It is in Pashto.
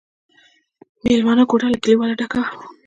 مېلمانه کوټه له کليوالو ډکه وه.